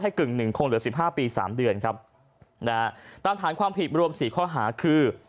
กึ่งหนึ่งคงเหลือสิบห้าปีสามเดือนครับนะฮะตามฐานความผิดรวมสี่ข้อหาคือ